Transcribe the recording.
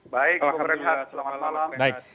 baik selamat malam